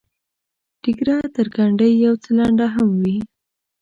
ډیګره تر ګنډۍ یو څه لنډه هم وي.